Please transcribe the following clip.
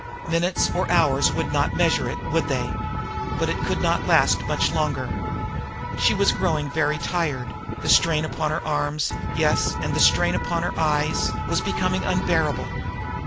Minutes or hours would not measure it, would they? But it could not last much longer! She was growing very tired; the strain upon her arms, yes, and upon her eyes, was becoming unbearable.